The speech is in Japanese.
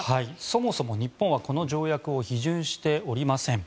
そもそも日本はこの条約を批准しておりません。